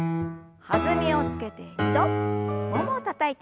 弾みをつけて２度ももをたたいて。